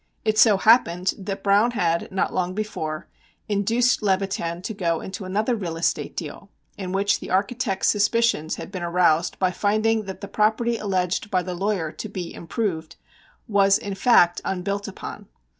It so happened that Browne had, not long before, induced Levitan to go into another real estate deal, in which the architect's suspicions had been aroused by finding that the property alleged by the lawyer to be "improved" was, in fact, unbuilt upon.